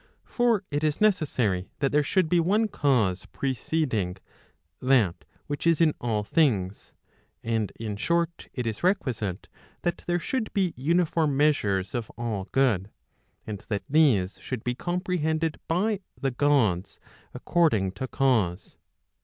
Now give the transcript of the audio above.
For it is necessary that there should be one cause preceding that which is in all things, and in short, it is requisite that there should be uniform measures of all good, and that these should be comprehended by the Gods according to cause.